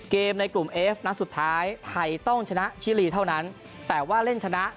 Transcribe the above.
ในกลุ่มเอฟนัดสุดท้ายไทยต้องชนะชิลีเท่านั้นแต่ว่าเล่นชนะ